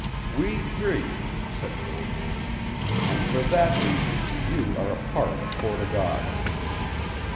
"We three," said the old man, "and for that reason you are a part of Fort o' God."